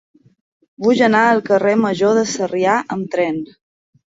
Vull anar al carrer Major de Sarrià amb tren.